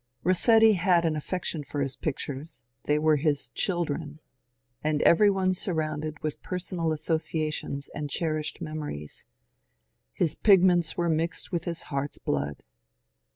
Bossetti had an affection for his pictures ; they were his children, and every one surrounded with personal associations and cherished memories ; his pigments were mix^ with his heart's blood.